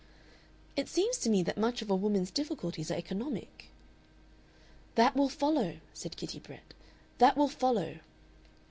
"It seems to me that much of a woman's difficulties are economic." "That will follow," said Kitty Brett "that will follow."